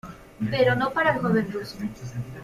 Pero no para el joven ruso.